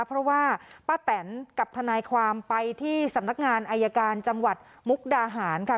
เพราะว่าป้าแตนกับทนายความไปที่สำนักงานอายการจังหวัดมุกดาหารค่ะ